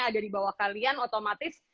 ada di bawah kalian otomatis